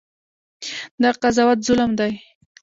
دا قضاوت ظلم دی.